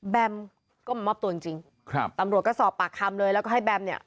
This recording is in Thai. แมมก็มามอบตัวจริงจริงครับตำรวจก็สอบปากคำเลยแล้วก็ให้แบมเนี่ย